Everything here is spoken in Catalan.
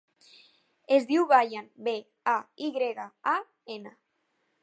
Es diu Bayan: be, a, i grega, a, ena.